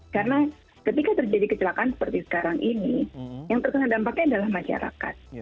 karena ketika terjadi kecelakaan seperti sekarang ini yang terkena dampaknya adalah masyarakat